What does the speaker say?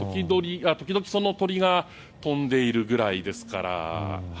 時々、鳥が飛んでいるくらいですから。